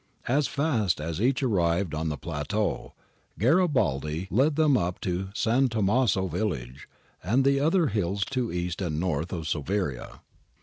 As fast as each arrived on the plateau, Garibaldi led them up into S. Tommaso village and the other hills to east and north of Soveria.